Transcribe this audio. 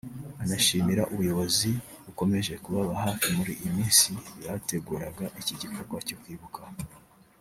Anashimira ubuyobozi bukomeje kubaba hafi muri iyi minsi bateguraga iki gikorwa cyo kwibuka